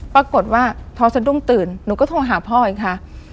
ปรากฏว่าพอสะดุ้งตื่นหนูก็โทรหาพ่ออีกค่ะ